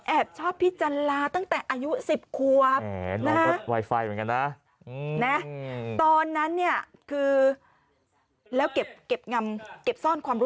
ชอบพี่จันลาตั้งแต่อายุ๑๐ควบ